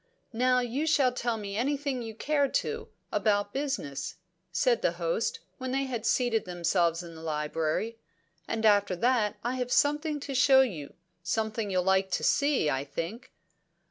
"Now you shall tell me anything you care to, about business," said the host, when they had seated themselves in the library. "And after that I have something to show you something you'll like to see, I think."